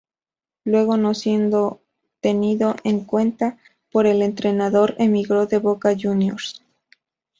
Luego no siendo tenido en cuenta por el entrenador emigro de Boca Juniors.